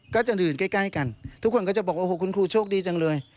ก็จะดื่มใกล้กันทุกคนก็จะบอกโอ้โหคุณครูโชคดีจังเลย